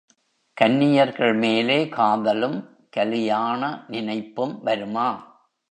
கன்னியர்கள் மேலே காதலும், கலியாண நினைப்பும் வருமா?